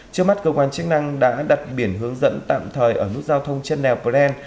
trước mắt cơ quan chức năng đã đặt biển hướng dẫn tạm thời ở nút giao thông chân đèo bren